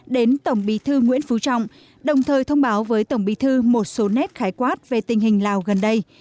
đến tổng bí thư nguyễn phú trọng đồng thời thông báo với tổng bí thư một số nét khái quát về tình hình lào gần đây